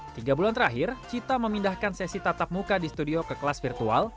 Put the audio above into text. tiga bulan terakhir cita memindahkan sesi tatap muka di studio ke kelas virtual